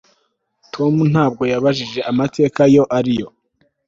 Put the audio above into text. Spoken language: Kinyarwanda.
Tom ntabwo yabajije amategeko ayo ari yo